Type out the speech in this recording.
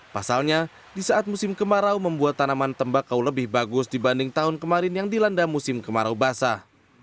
pasalnya di saat musim kemarau membuat tanaman tembakau lebih bagus dibanding tahun kemarin yang dilanda musim kemarau basah